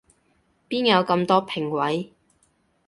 邊有咁多評委